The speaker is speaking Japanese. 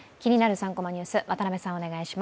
３コマニュース。